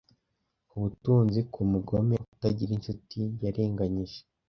Ubutunzi kumugome utagira inshuti yarenganyije.